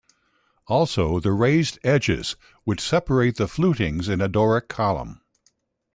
Also the raised edges which separate the flutings in a Doric column.